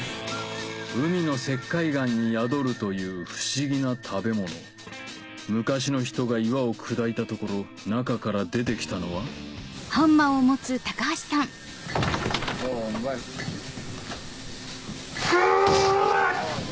海の石灰岩に宿るという不思議な食べ物昔の人が岩を砕いたところ中から出て来たのは・おうまい・くぅあっ！